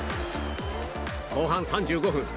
後半３５分。